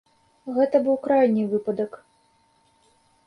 Гэта быў крайні выпадак.